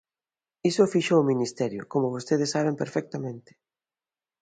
Iso fíxoo o ministerio, como vostedes saben perfectamente.